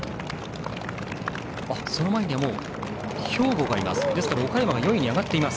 その前にはもう兵庫がいます。